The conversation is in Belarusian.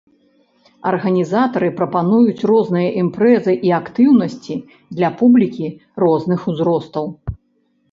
Арганізатары прапануюць розныя імпрэзы і актыўнасці для публікі розных узростаў.